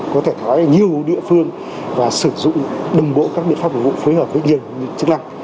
có thể nói là nhiều địa phương và sử dụng đồng bộ các biện pháp phù hợp với nhiều chức năng